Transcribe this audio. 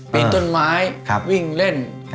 ปีนต้นไม้วิ่งเล่น